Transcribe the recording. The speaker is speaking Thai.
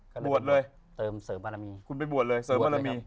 ก็เลยไปเติมเสริมอารมี